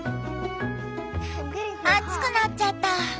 熱くなっちゃった。